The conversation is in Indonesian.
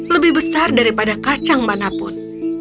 lebih besar daripada kacang manapun